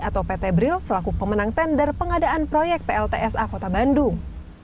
atau pt bril selaku pemenang tender pengadaan proyek pltsa kota bandung